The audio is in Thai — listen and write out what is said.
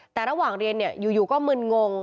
แต่ระหว่างเรียนอยู่ก็มึนงง